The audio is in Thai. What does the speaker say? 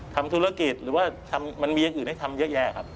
ทำธุรกิจหรือว่ามันมีอย่างอื่นให้ทำเยอะแยะครับ